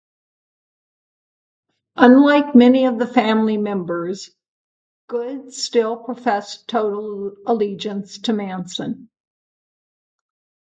Unlike many of the Family members, Good still professed total allegiance to Manson.